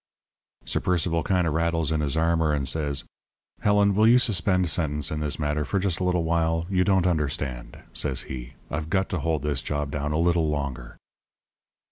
"Sir Percival kind of rattles his armour and says: 'Helen, will you suspend sentence in this matter for just a little while? You don't understand,' says he. 'I've got to hold this job down a little longer.'